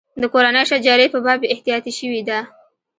د کورنۍ شجرې په باب بې احتیاطي شوې ده.